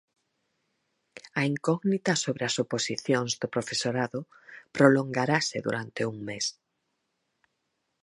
A incógnita sobre as oposicións do profesorado prolongarase durante un mes.